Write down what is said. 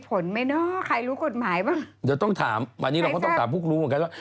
เพราะฉะนั้นวันนี้คนก็ได้มีคำถามว่า